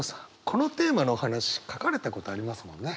このテーマのお話書かれたことありますもんね？